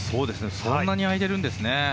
そんなに空いてるんですね。